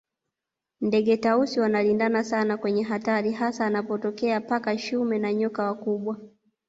Ndege Tausi wanalindana sana kwenye hatari hasa anapotokea paka shume na nyoka wakubwa